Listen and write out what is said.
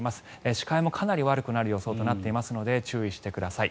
視界もかなり悪くなる予想となっていますので注意してください。